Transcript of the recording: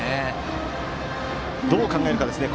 どう考えるかですね。